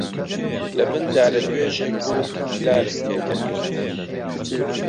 لەبن دارەگێوژێک بووم، پلارم تێ دەگرت